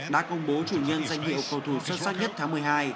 đã công bố chủ nhân danh hiệu cầu thủ xuất sắc nhất tháng một mươi hai